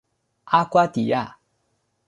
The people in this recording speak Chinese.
阿瓜迪亚。